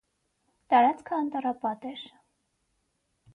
Տարածքը անտառապատ էր։